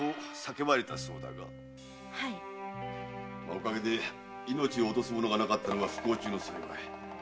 おかげで命を落とす者がなかったのが不幸中の幸い。